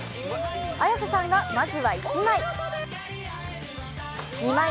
綾瀬さんがまずは１枚。